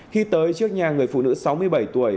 khi tới trước nhà người phụ nữ sáu mươi bảy tuổi